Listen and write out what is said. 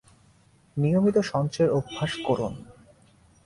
নিয়মিত সঞ্চয়ের অভ্যাস করুন।